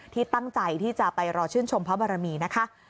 ที่ตั้งใจที่จะไปรอชื่นชมพระบารมีนะคะ